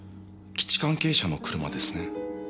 基地関係者の車ですね。